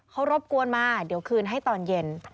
เขารบกวนมาเดี๋ยวคืนให้ตอนเย็น